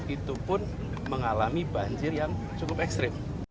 itu pun mengalami banjir yang cukup ekstrim